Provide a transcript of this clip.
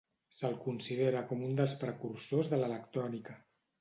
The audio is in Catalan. Se'l considera com un dels precursors de l'electrònica.